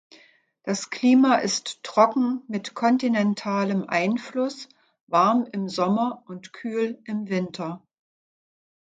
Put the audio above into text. Das Klima ist trocken mit kontinentalem Einfluss, warm im Sommer und kühl im Winter.